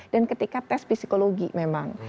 dan ketika tes psikologi memang